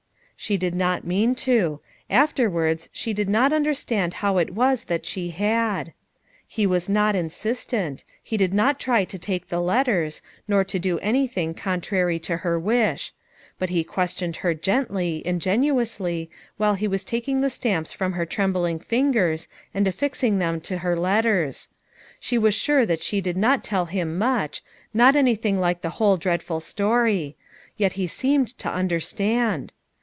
" She did not mean to ; afterwards, she did not understand how it was that she had. He was not insistent; he did not try to take the letters, nor to do anything contrary to her wish ; but he questioned her gently, ingeniously, while he was taking the stamps from her trembling fingers and affixing them to her letters ; she was sure that she did not tell him much, not any thing like the whole dreadful story; yet he seemed to understand.